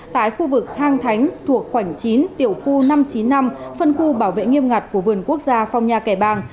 tại khu vực hang thánh thuộc khoảnh chín tiểu khu năm trăm chín mươi năm phân khu bảo vệ nghiêm ngặt của vườn quốc gia phong nha kẻ bàng